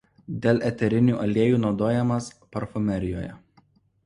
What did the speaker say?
Dėl eterinių aliejų naudojamas parfumerijoje.